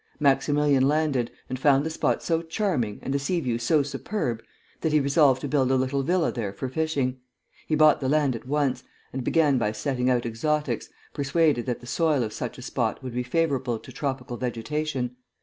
Maximilian landed, and found the spot so charming and the sea view so superb that he resolved to build a little villa there for fishing. He bought the land at once, and began by setting out exotics, persuaded that the soil of such a spot would be favorable to tropical vegetation.